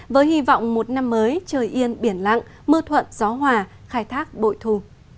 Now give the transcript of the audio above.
với hy vọng một năm mới trời yên biển lặng mưa thuận gió hòa khai thác bội thù